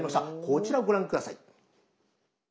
こちらをご覧下さい。